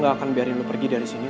gue gak akan biarin lu pergi dari sini